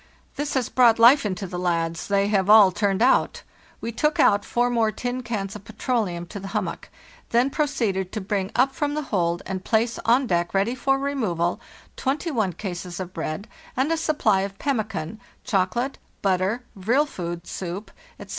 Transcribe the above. This has brought life into the lads; they have all turned out. We took out 4 more tin cans of petroleum to the hummock, then pro ceeded to bring up from the hold and place on deck ready for removal 21 cases of bread, and a supply of pem mican, chocolate, butter, 'vril food,' soup, ete.